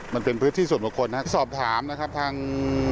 มันเป็นพื้นที่ส่วนบุคคลนะครับสอบถามนะครับทาง